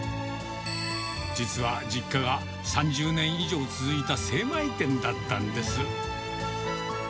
実は実家が３０年以上続いた精米店だったんです。